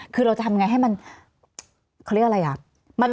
คือเราจะทำยังไงให้มันเขาเรียกอะไรอ่ะ